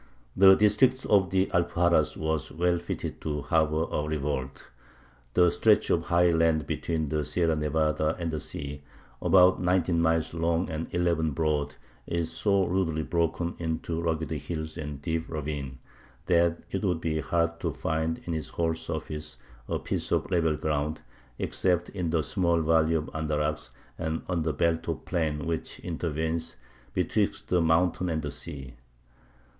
The district of the Alpuxarras was well fitted to harbour a revolt. The stretch of high land between the Sierra Nevada and the sea, about nineteen miles long and eleven broad, is "so rudely broken into rugged hill and deep ravine, that it would be hard to find in its whole surface a piece of level ground, except in the small valley of Andarax and on the belt of plain which intervenes betwixt the mountains and the sea.